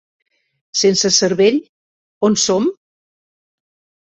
Sense cervell, on som?